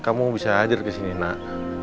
kamu bisa ajar kesini nak